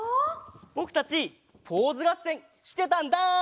ぼくたちポーズがっせんしてたんだ！